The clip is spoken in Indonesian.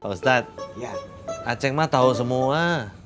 pak ustadz aceh mah tau semua